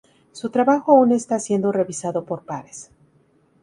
Su trabajo aún está siendo revisado por pares.